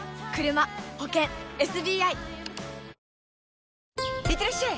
「ビオレ」いってらっしゃい！